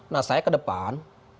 nah saya ke depan